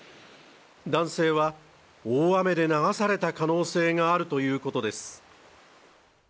男性は大雨で流された可能性があるということです。